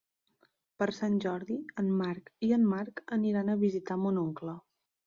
Per Sant Jordi en Marc i en Marc aniran a visitar mon oncle.